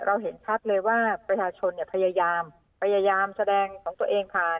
เห็นชัดเลยว่าประชาชนเนี่ยพยายามพยายามแสดงของตัวเองผ่าน